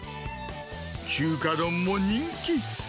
中華丼も人気。